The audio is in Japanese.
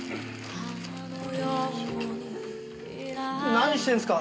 何してるんですか？